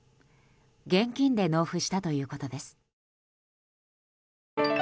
現金で納付したということです。